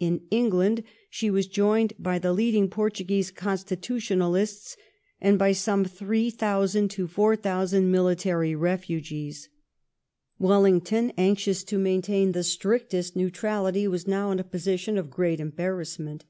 In England she was joined by the leading Portuguese constitutional ists, and by some 3,000 to 4,000 military refugees. Wellington, anxious to maintain the strictest neutrality, was now in a position of great embarrassment.